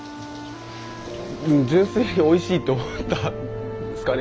純粋においしいって思ったんすかね。